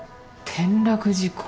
転落事故？